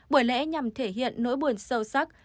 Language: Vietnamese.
buổi lễ nhằm thể hiện nỗi buồn sâu sắc